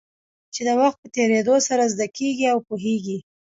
چې د وخت په تېرېدو سره زده کېږي او پوهېږې.